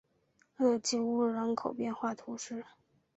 勒基乌人口变化图示